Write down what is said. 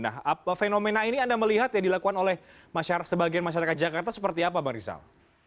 nah fenomena ini anda melihat yang dilakukan oleh sebagian masyarakat jakarta seperti apa bang rizal